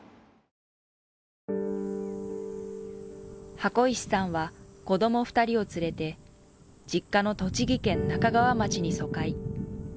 箱石さんは子供２人を連れて、実家の栃木県那珂川町に疎開。